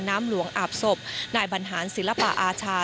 น้ำหลวงอาบศพนายบรรหารศิลปะอาชา